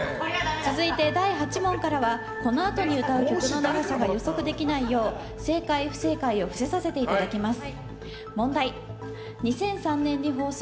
続いて第８問からはこのあとに歌う歌の長さを予測できないよう正解・不正解を伏せさせていただきます。